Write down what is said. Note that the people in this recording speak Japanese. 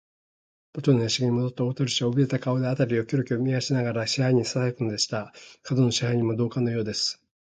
もとの座敷にもどった大鳥氏は、おびえた顔で、あたりをキョロキョロと見まわしながら、支配人にささやくのでした。門野支配人も同感のようです。